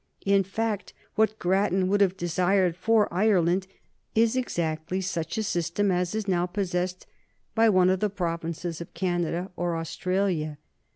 In fact, what Grattan would have desired for Ireland is exactly such a system as is now possessed by one of the provinces of Canada or Australia.